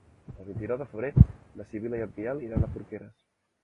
El vint-i-nou de febrer na Sibil·la i en Biel iran a Porqueres.